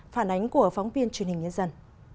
phản ánh của phóng viên truyền hình nhân dân